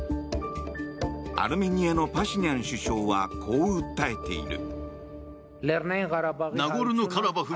アルメニアのパシニャン首相はこう訴えている。